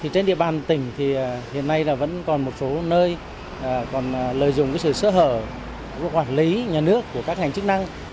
trên địa bàn tỉnh thì hiện nay vẫn còn một số nơi còn lợi dụng sự sơ hở của quản lý nhà nước của các ngành chức năng